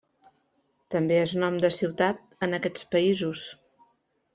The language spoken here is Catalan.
També és nom de ciutat en aquests països.